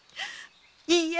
いいえ。